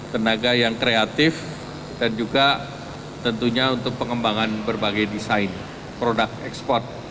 tenaga yang kreatif dan juga tentunya untuk pengembangan berbagai desain produk ekspor